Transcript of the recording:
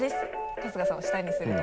春日さんは下にすると。